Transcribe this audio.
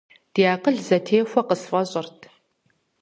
Ди акъыл зэтехуэ къысфӀэщӀырт.